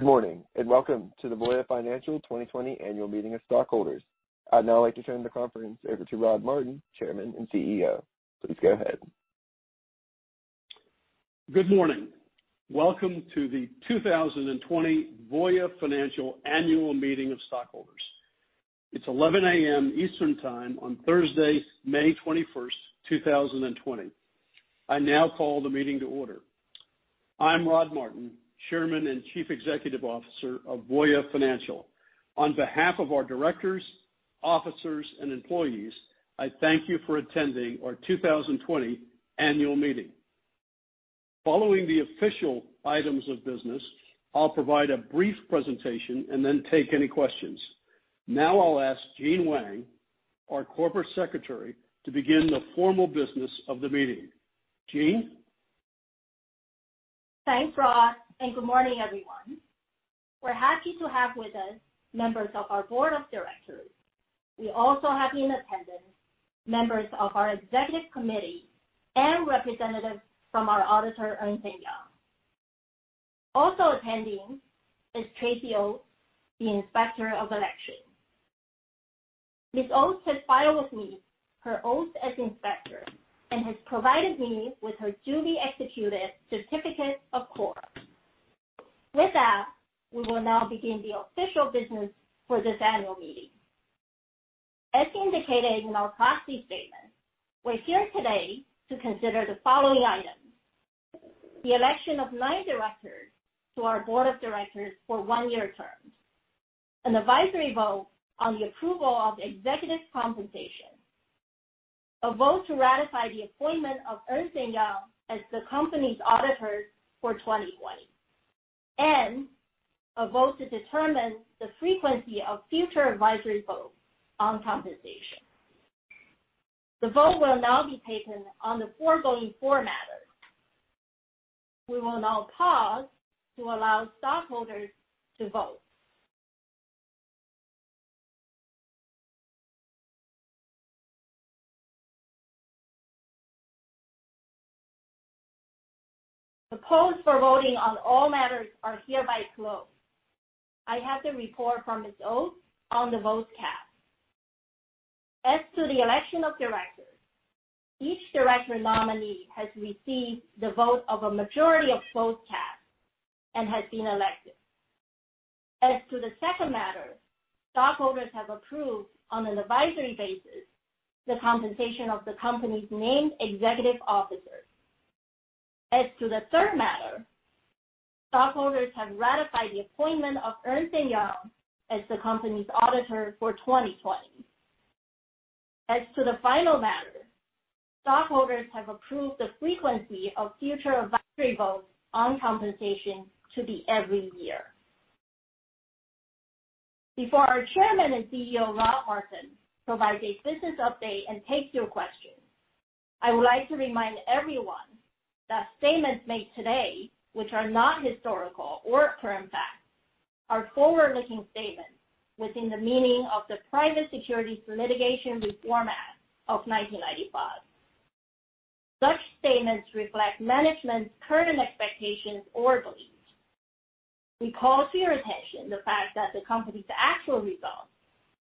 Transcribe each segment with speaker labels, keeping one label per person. Speaker 1: Good morning, welcome to the Voya Financial 2020 Annual Meeting of Stockholders. I'd now like to turn the conference over to Rod Martin, Chairman and CEO. Please go ahead.
Speaker 2: Good morning. Welcome to the 2020 Voya Financial Annual Meeting of Stockholders. It's 11:00 A.M. Eastern Time on Thursday, May 21, 2020. I now call the meeting to order. I'm Rod Martin, Chairman and Chief Executive Officer of Voya Financial. On behalf of our directors, officers, and employees, I thank you for attending our 2020 annual meeting. Following the official items of business, I'll provide a brief presentation then take any questions. I'll ask Jean Weng, our Corporate Secretary, to begin the formal business of the meeting. Jean?
Speaker 3: Thanks, Rod, good morning, everyone. We're happy to have with us members of our board of directors. We also have in attendance members of our executive committee and representatives from our auditor, Ernst & Young. Also attending is Tracy Oates, the Inspector of Election. Ms. Oates has filed with me her oath as inspector and has provided me with her duly executed certificate of quorum. With that, we will now begin the official business for this annual meeting. As indicated in our proxy statement, we're here today to consider the following items: the election of nine directors to our board of directors for one-year terms, an advisory vote on the approval of executive compensation, a vote to ratify the appointment of Ernst & Young as the company's auditors for 2020, a vote to determine the frequency of future advisory votes on compensation. The vote will now be taken on the foregoing four matters. We will now pause to allow stockholders to vote. The polls for voting on all matters are hereby closed. I have the report from Ms. Oates on the vote count. As to the election of directors, each director nominee has received the vote of a majority of votes cast and has been elected. As to the second matter, stockholders have approved on an advisory basis the compensation of the company's named executive officers. As to the third matter, stockholders have ratified the appointment of Ernst & Young as the company's auditor for 2020. As to the final matter, stockholders have approved the frequency of future advisory votes on compensation to be every year. Before our Chairman and CEO, Rod Martin, provides a business update and takes your questions, I would like to remind everyone that statements made today, which are not historical or current facts, are forward-looking statements within the meaning of the Private Securities Litigation Reform Act of 1995. Such statements reflect management's current expectations or beliefs. We call to your attention the fact that the company's actual results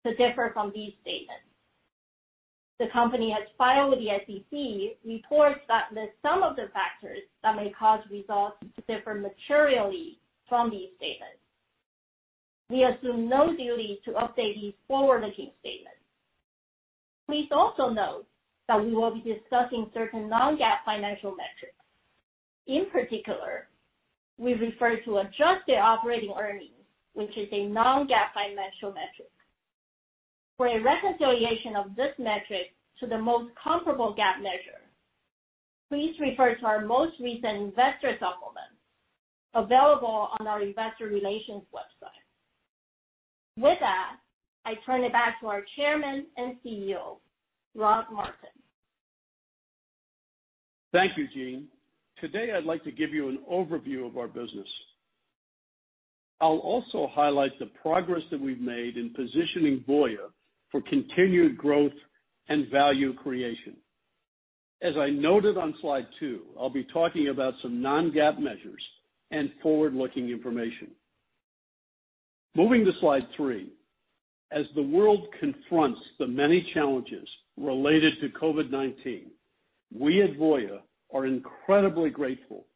Speaker 3: could differ from these statements. The company has filed with the SEC reports that list some of the factors that may cause results to differ materially from these statements. We assume no duty to update these forward-looking statements. Please also note that we will be discussing certain non-GAAP financial metrics. In particular, we refer to adjusted operating earnings, which is a non-GAAP financial metric. For a reconciliation of this metric to the most comparable GAAP measure, please refer to our most recent investor supplement available on our investor relations website. With that, I turn it back to our Chairman and CEO, Rod Martin.
Speaker 2: Thank you, Jean. Today, I'd like to give you an overview of our business. I'll also highlight the progress that we've made in positioning Voya for continued growth and value creation. As I noted on slide two, I'll be talking about some non-GAAP measures and forward-looking information. Moving to slide three. As the world confronts the many challenges related to COVID-19, we at Voya are incredibly grateful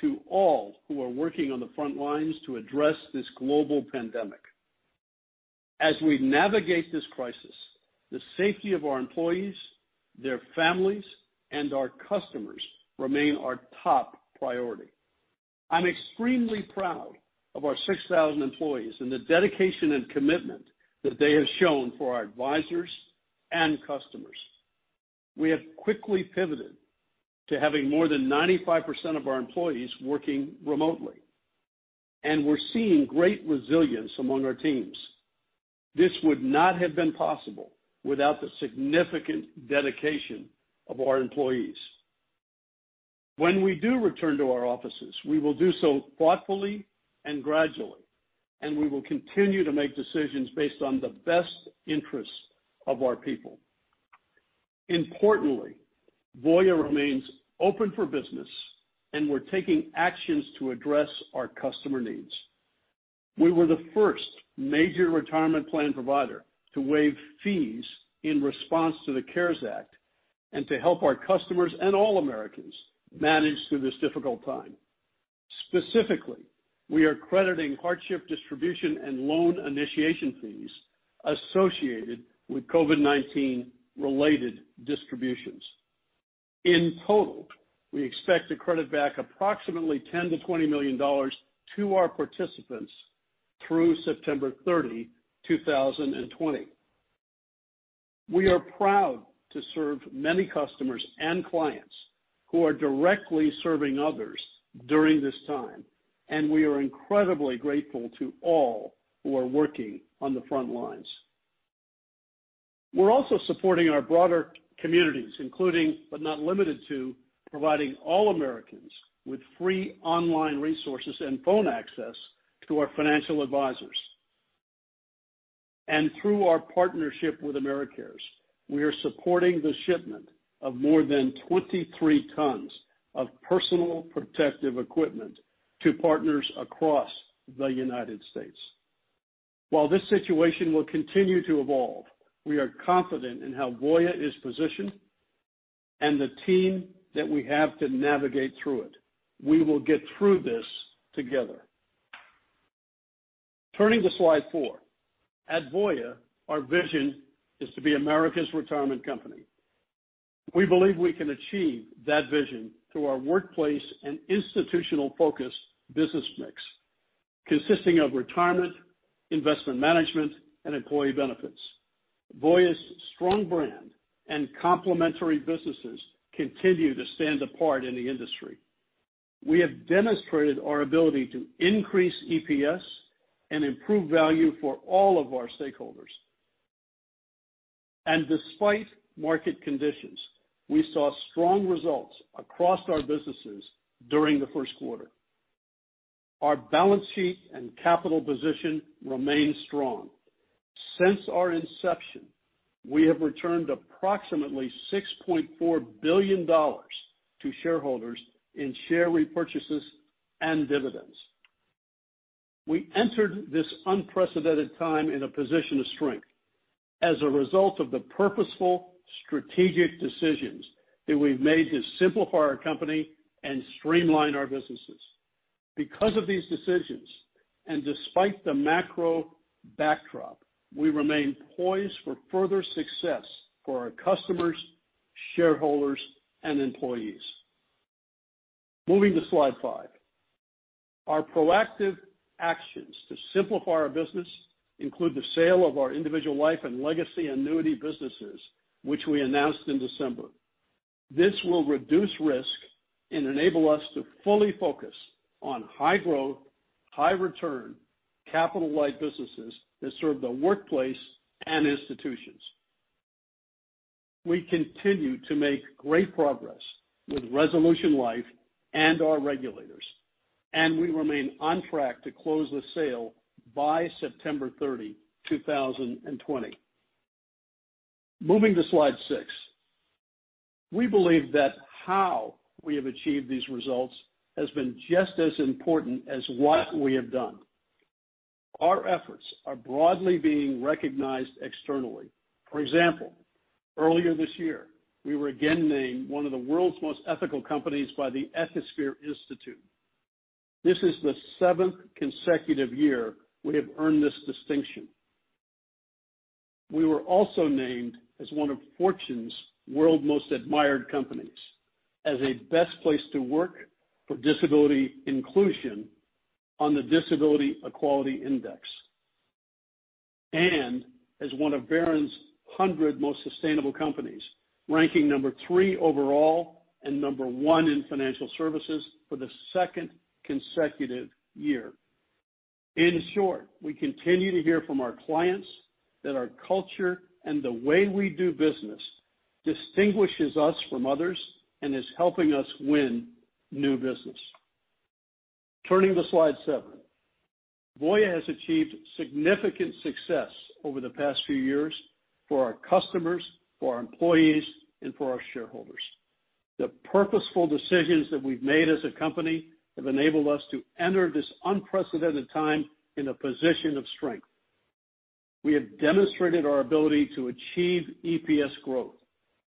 Speaker 2: to all who are working on the front lines to address this global pandemic. As we navigate this crisis, the safety of our employees, their families, and our customers remain our top priority. I'm extremely proud of our 6,000 employees and the dedication and commitment that they have shown for our advisors and customers. We have quickly pivoted to having more than 95% of our employees working remotely, and we're seeing great resilience among our teams. This would not have been possible without the significant dedication of our employees. When we do return to our offices, we will do so thoughtfully and gradually, and we will continue to make decisions based on the best interests of our people. Importantly, Voya remains open for business. We're taking actions to address our customer needs. We were the first major retirement plan provider to waive fees in response to the CARES Act and to help our customers and all Americans manage through this difficult time. Specifically, we are crediting hardship distribution and loan initiation fees associated with COVID-19 related distributions. In total, we expect to credit back approximately $10 million-$20 million to our participants through September 30, 2020. We are proud to serve many customers and clients who are directly serving others during this time, and we are incredibly grateful to all who are working on the front lines. We're also supporting our broader communities, including, but not limited to, providing all Americans with free online resources and phone access to our financial advisors. Through our partnership with Americares, we are supporting the shipment of more than 23 tons of personal protective equipment to partners across the U.S. While this situation will continue to evolve, we are confident in how Voya is positioned and the team that we have to navigate through it. We will get through this together. Turning to slide four. At Voya, our vision is to be America's retirement company. We believe we can achieve that vision through our workplace and institutional focus business mix consisting of retirement, investment management, and employee benefits. Voya's strong brand and complementary businesses continue to stand apart in the industry. We have demonstrated our ability to increase EPS and improve value for all of our stakeholders. Despite market conditions, we saw strong results across our businesses during the first quarter. Our balance sheet and capital position remain strong. Since our inception, we have returned approximately $6.4 billion to shareholders in share repurchases and dividends. We entered this unprecedented time in a position of strength as a result of the purposeful, strategic decisions that we've made to simplify our company and streamline our businesses. Because of these decisions, and despite the macro backdrop, we remain poised for further success for our customers, shareholders, and employees. Moving to slide five. Our proactive actions to simplify our business include the sale of our individual life and legacy annuity businesses, which we announced in December. This will reduce risk and enable us to fully focus on high growth, high return capital light businesses that serve the workplace and institutions. We continue to make great progress with Resolution Life and our regulators, and we remain on track to close the sale by September 30, 2020. Moving to slide six. We believe that how we have achieved these results has been just as important as what we have done. Our efforts are broadly being recognized externally. For example, earlier this year, we were again named one of the world's most ethical companies by the Ethisphere Institute. This is the seventh consecutive year we have earned this distinction. We were also named as one of Fortune's World's Most Admired Companies, as a best place to work for disability inclusion on the Disability Equality Index, and as one of Barron's 100 Most Sustainable Companies, ranking number 3 overall and number 1 in financial services for the second consecutive year. In short, we continue to hear from our clients that our culture and the way we do business distinguishes us from others and is helping us win new business. Turning to slide seven. Voya has achieved significant success over the past few years for our customers, for our employees, and for our shareholders. The purposeful decisions that we've made as a company have enabled us to enter this unprecedented time in a position of strength. We have demonstrated our ability to achieve EPS growth.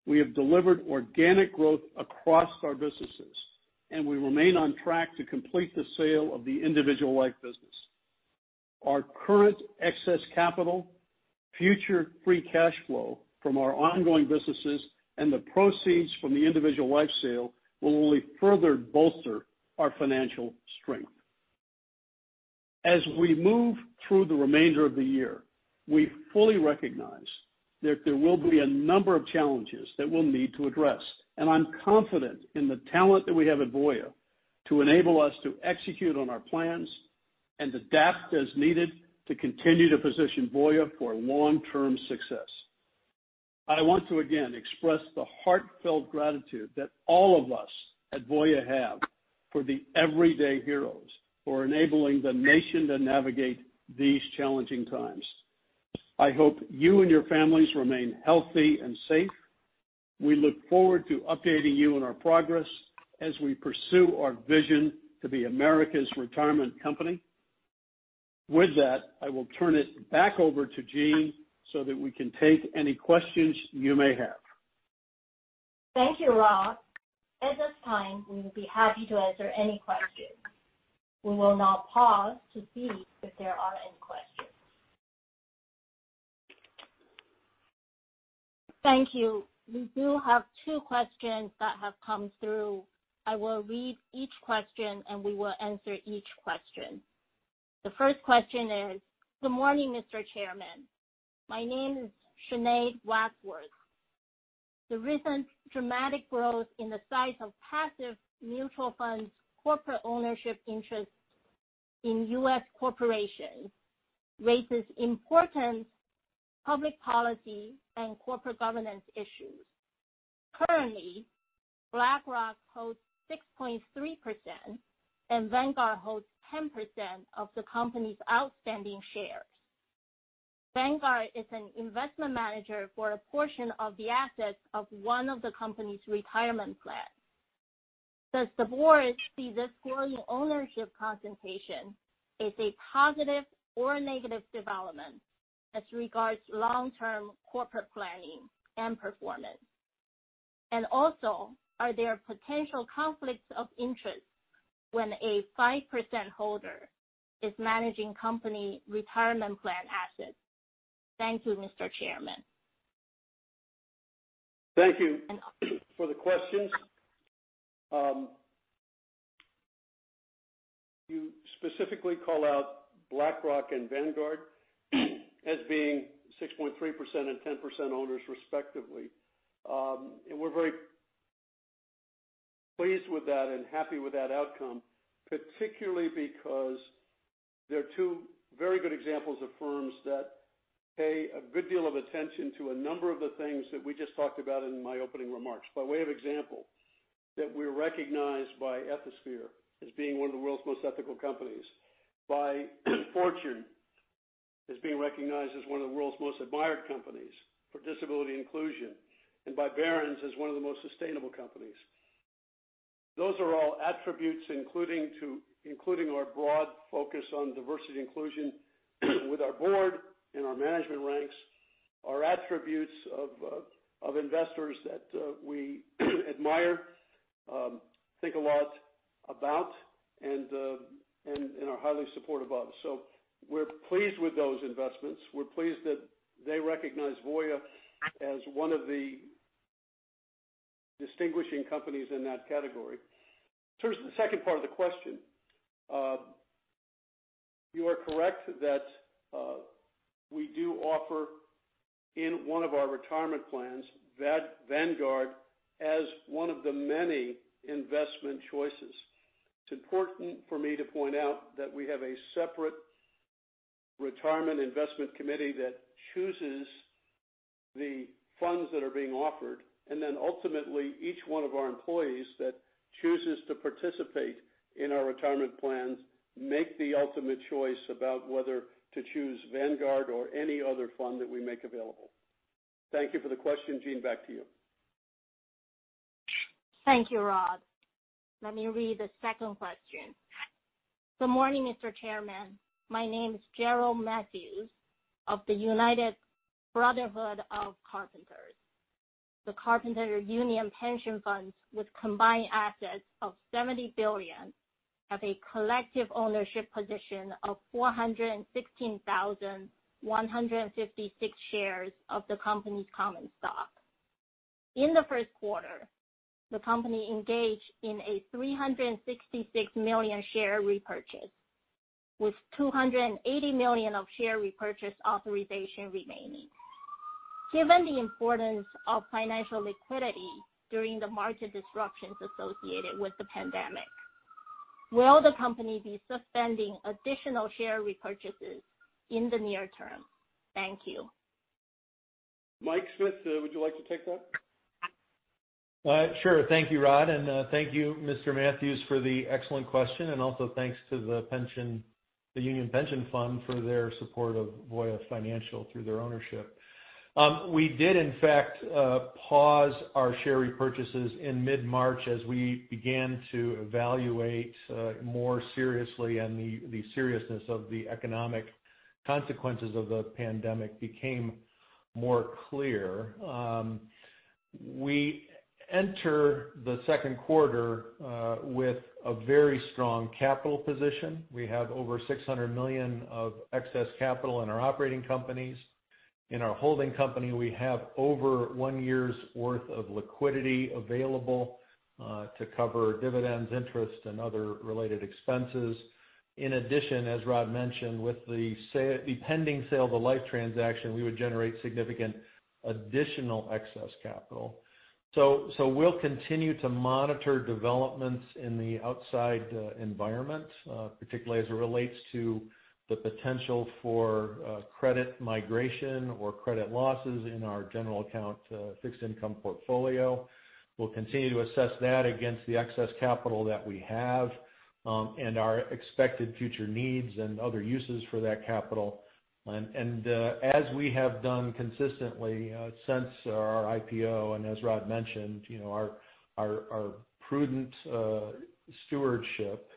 Speaker 2: We have delivered organic growth across our businesses. We remain on track to complete the sale of the individual life business. Our current excess capital, future free cash flow from our ongoing businesses, and the proceeds from the individual life sale will only further bolster our financial strength. As we move through the remainder of the year, we fully recognize that there will be a number of challenges that we'll need to address. I'm confident in the talent that we have at Voya to enable us to execute on our plans and adapt as needed to continue to position Voya for long-term success. I want to again express the heartfelt gratitude that all of us at Voya have for the everyday heroes for enabling the nation to navigate these challenging times. I hope you and your families remain healthy and safe. We look forward to updating you on our progress as we pursue our vision to be America's retirement company. With that, I will turn it back over to Jean. We can take any questions you may have.
Speaker 3: Thank you, Rod. At this time, we will be happy to answer any questions. We will now pause to see if there are any questions. Thank you. We do have two questions that have come through. I will read each question. We will answer each question. The first question is, "Good morning, Mr. Chairman. My name is Sinead Wadsworth. The recent dramatic growth in the size of passive mutual funds corporate ownership interests in U.S. corporations raises important public policy and corporate governance issues. Currently, BlackRock holds 6.3% and Vanguard holds 10% of the company's outstanding shares. Vanguard is an investment manager for a portion of the assets of one of the company's retirement plans. Does the board see this growing ownership concentration as a positive or negative development as regards long-term corporate planning and performance? Also, are there potential conflicts of interest when a 5% holder is managing company retirement plan assets? Thank you, Mr. Chairman.
Speaker 2: Thank you for the questions. You specifically call out BlackRock and Vanguard as being 6.3% and 10% owners, respectively. We're very pleased with that and happy with that outcome, particularly because they're two very good examples of firms that pay a good deal of attention to a number of the things that we just talked about in my opening remarks. By way of example, that we're recognized by Ethisphere as being one of the World's Most Ethical Companies, by Fortune as being recognized as one of the World's Most Admired Companies for disability inclusion, and by Barron's as one of the Most Sustainable Companies. Those are all attributes, including our broad focus on diversity inclusion with our board and our management ranks, are attributes of investors that we admire, think a lot about, and are highly supportive of. We're pleased with those investments. We're pleased that they recognize Voya as one of the distinguishing companies in that category. Turn to the second part of the question. You are correct that we do offer in one of our retirement plans, Vanguard as one of the many investment choices. It's important for me to point out that we have a separate retirement investment committee that chooses the funds that are being offered, and then ultimately, each one of our employees that chooses to participate in our retirement plans make the ultimate choice about whether to choose Vanguard or any other fund that we make available. Thank you for the question. Jean, back to you.
Speaker 3: Thank you, Rod. Let me read the second question. "Good morning, Mr. Chairman. My name is Gerard Matthews of the United Brotherhood of Carpenters. The Carpenters Union pension funds, with combined assets of $70 billion, have a collective ownership position of 416,156 shares of the company's common stock. In the first quarter, the company engaged in a $366 million share repurchase, with $280 million of share repurchase authorization remaining. Given the importance of financial liquidity during the market disruptions associated with the pandemic, will the company be suspending additional share repurchases in the near term? Thank you.
Speaker 2: Michael Smith, would you like to take that?
Speaker 4: Sure. Thank you, Rod, and thank you, Mr. Matthews, for the excellent question, and also thanks to the union pension fund for their support of Voya Financial through their ownership. We did in fact, pause our share repurchases in mid-March as we began to evaluate more seriously, and the seriousness of the economic consequences of the pandemic became more clear. We enter the second quarter with a very strong capital position. We have over $600 million of excess capital in our operating companies. In our holding company, we have over one year's worth of liquidity available to cover dividends, interest, and other related expenses. In addition, as Rod mentioned, with the pending sale of the Life transaction, we would generate significant additional excess capital. We'll continue to monitor developments in the outside environment, particularly as it relates to the potential for credit migration or credit losses in our general account fixed income portfolio. We'll continue to assess that against the excess capital that we have and our expected future needs and other uses for that capital. As we have done consistently since our IPO, and as Rod mentioned, our prudent stewardship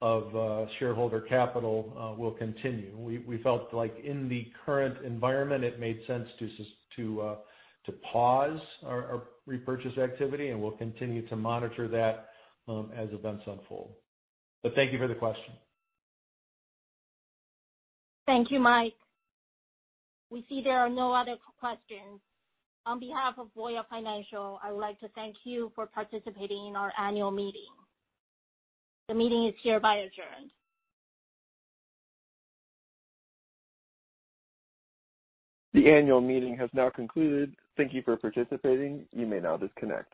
Speaker 4: of shareholder capital will continue. We felt like in the current environment, it made sense to pause our repurchase activity, and we'll continue to monitor that as events unfold. Thank you for the question.
Speaker 3: Thank you, Mike. We see there are no other questions. On behalf of Voya Financial, I would like to thank you for participating in our annual meeting. The meeting is hereby adjourned.
Speaker 1: The annual meeting has now concluded. Thank you for participating. You may now disconnect.